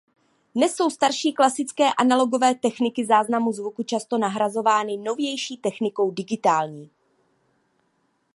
Dnes jsou starší klasické analogové techniky záznamu zvuku často nahrazovány novější technikou digitální.